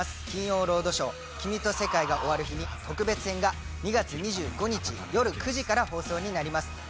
『金曜ロードショー君と世界が終わる日に特別編』が２月２５日夜９時から放送になります。